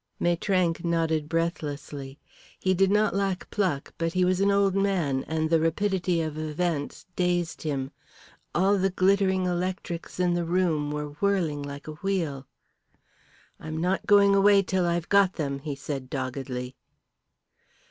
Maitrank nodded breathlessly. He did not lack pluck, but he was an old man and the rapidity of events dazed him. All the glittering electrics in the room were whirling like a wheel. "I'm not going away till I've got them," he said doggedly.